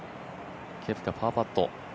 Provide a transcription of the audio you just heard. ケプカ、パーパット。